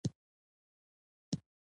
هغه غوښتل يوه ځانګړې لاره پيدا کړي.